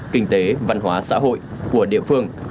kinh tế văn hóa xã hội của địa phương